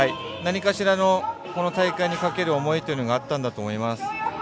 何かしら、この大会にかける思いというのがあったのだと思います。